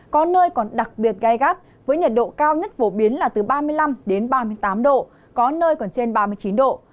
có nơi còn đặc biệt gai gắt với nhiệt độ cao nhất phổ biến là từ ba mươi năm đến ba mươi tám độ có nơi còn trên ba mươi chín độ